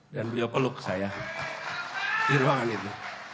dan beliau peluk saya di ruangan itu